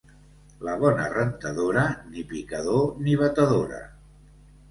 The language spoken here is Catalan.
La bona rentadora, ni picador ni batedora.